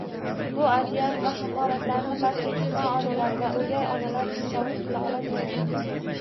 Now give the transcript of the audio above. Bu aziyat va haqoratlarni barcha tuqqan onalar va o'gay onalar tasavvur qila oladilar.